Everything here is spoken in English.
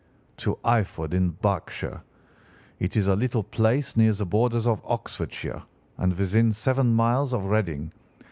"'To Eyford, in Berkshire. It is a little place near the borders of Oxfordshire, and within seven miles of Reading.